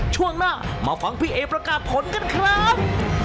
ช่วงหน้ามาฟังพี่เอประกาศผลกันครับ